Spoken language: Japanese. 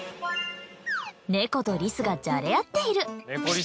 猫とリスがじゃれあっている。